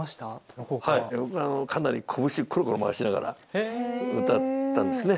僕はかなり小節コロコロ回しながら歌ったんですね。